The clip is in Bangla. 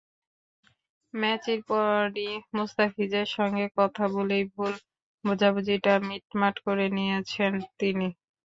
ম্যাচের পরই মুস্তাফিজের সঙ্গে কথা বলেই ভুল-বোঝাবুঝিটা মিটমাট করে নিয়েছেন তিনি।